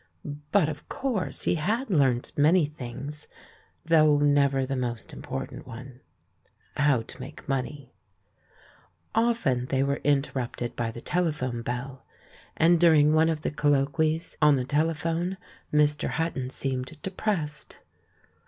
But, of course, he had learnt many things, though never the most important one — how to make money. Often they were interrupted by the telephone bell, and during one of the colloquies on the tele 316 THE MAN WHO UNDERSTOOD WOMEN phone Mr. Hutton seemed depressed.